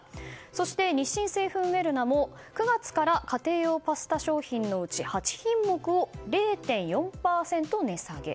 そして日清製粉ウェルナも９月から家庭用パスタ商品のうち８品目を０．４％値下げ。